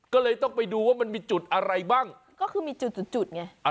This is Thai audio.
ก็เลยต้องไปดูว่ามันมีจุดอะไรบ้างก็คือมีจุดจุดไง